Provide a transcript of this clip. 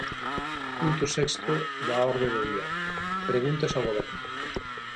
Punto sexto da orde do día, preguntas ao Goberno.